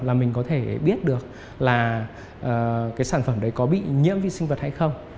là mình có thể biết được là cái sản phẩm đấy có bị nhiễm vi sinh vật hay không